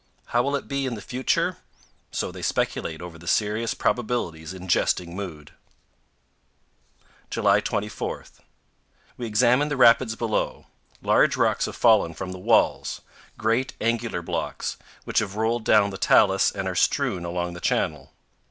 How will it be in the future t So they speculate over the serious probabilities in jesting mood. July 24. We examine the rapids below. Large rocks have fallen from the walls great, angular blocks, which have rolled down the talus and are strewn along the channel.